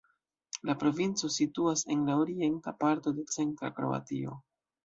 La provinco situas en la orienta parto de centra Kroatio.